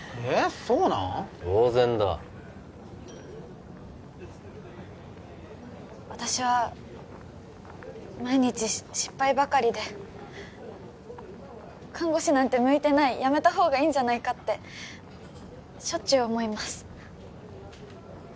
当然だ私は毎日失敗ばかりで看護師なんて向いてない辞めた方がいいんじゃないかってしょっちゅう思います